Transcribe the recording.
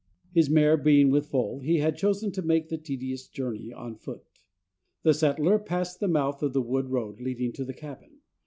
His mare being with foal, he had chosen to make the tedious journey on foot. The settler passed the mouth of the wood road leading to the cabin.